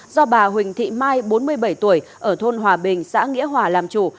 do bà huỳnh thị mai bốn mươi bảy tuổi ở thôn hòa bình xã nghĩa hòa làm chủ